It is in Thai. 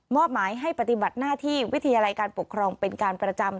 อบหมายให้ปฏิบัติหน้าที่วิทยาลัยการปกครองเป็นการประจำ